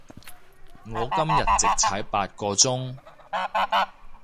我今日直踩八個鐘